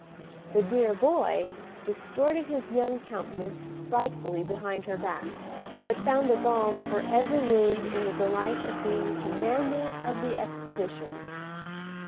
The "dear boy" distorted his young countenance frightfully behind her back, but found a balm for every wound in the delight of being commander of the expedition.